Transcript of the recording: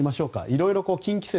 色々、近畿説